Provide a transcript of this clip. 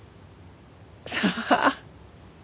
さあ。